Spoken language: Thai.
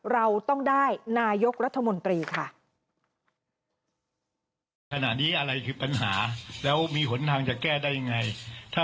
เราต้องได้นายกรัฐมนตรีค่ะ